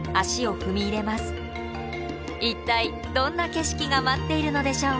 一体どんな景色が待っているのでしょう。